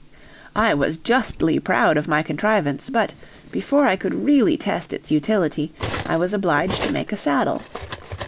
I was justly proud of my contrivance, but, before I could really test its utility, I was obliged to make a saddle.